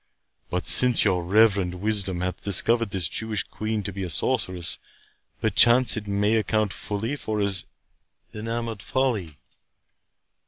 But since your reverend wisdom hath discovered this Jewish queen to be a sorceress, perchance it may account fully for his enamoured folly."